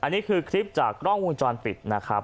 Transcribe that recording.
อันนี้คือคลิปจากกล้องวงจรปิดนะครับ